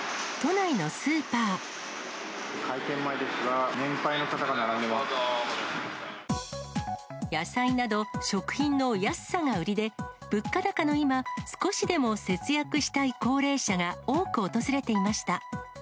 開店前ですが、年配の方が並野菜など食品の安さが売りで、物価高の今、少しでも節約したい高齢者が多く訪れていました。